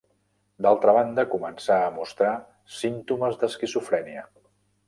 D'altra banda, començà a mostrar símptomes d'esquizofrènia.